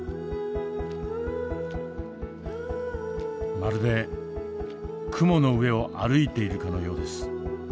まるで雲の上を歩いているかのようです。